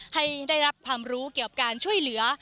ให้ได้รับความรู้เกี่ยวกับการช่วยเหลือ